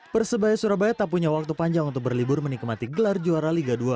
persebaya surabaya tak punya waktu panjang untuk berlibur menikmati gelar juara liga dua